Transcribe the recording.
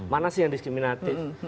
mana sih yang diskriminatif